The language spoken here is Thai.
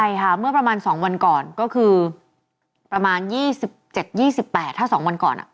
ใช่ค่ะเมื่อประมาณ๒วันก่อนก็คือประมาณ๒๗๒๘ถ้า๒วันก่อน